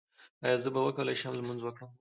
ایا زه به وکولی شم لمونځ وکړم؟